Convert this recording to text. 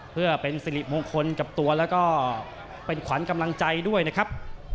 เพื่อเป็นสิริมงคลกับตัวแล้วก็เป็นขวัญกำลังใจด้วยนะครับ